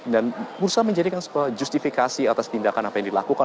dan berusaha menjadikan justifikasi atas tindakan apa yang dilakukan